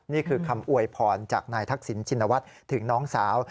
นี่คือคำอวยพรจากนายทักษิณชินวัฒน์ถึงน้องสาว